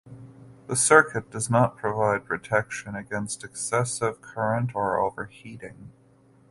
The circuit does not provide protection against excessive current or overheating.